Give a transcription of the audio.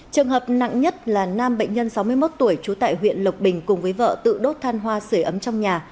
trường hợp nặng nhất là nam bệnh nhân sáu mươi một tuổi trú tại huyện lộc bình cùng với vợ tự đốt than hoa sửa ấm trong nhà